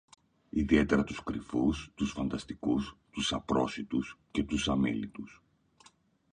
ιδιαίτερα τους κρυφούς, τους φανταστικούς, τους απρόσιτους και τους αμίλητους.